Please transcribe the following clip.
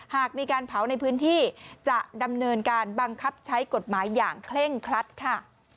หากมีการเผาในพื้นที่จะดำเนินการบังคับใช้กฎหมายอย่างเคร่งครัดค่ะ